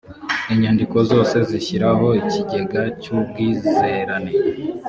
inyandiko zose zishyiraho ikigega cy ubwizerane